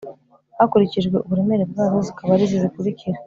hakurikijwe uburemere bwazo zikaba ari izi zikurikira